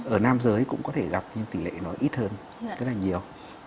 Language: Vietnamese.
ở nam giới cũng có thể gặp những tỷ lệ nó ít hơn rất là nhiều